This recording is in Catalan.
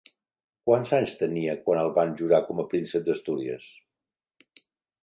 Quants anys tenia quan el van jurar com a príncep d'Astúries?